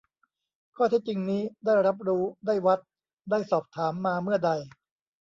ข้อเท็จจริงนี้ ได้รับรู้ ได้วัด ได้สอบถาม มาเมื่อใด